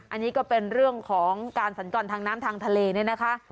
อันนี้ก็เป็นเรื่องของการสัญจรทางน้ำทางทะเลเนี่ยนะคะ